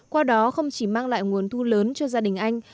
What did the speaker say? qua đó không chỉ mang lại nguồn thu lớn cho gia đình anh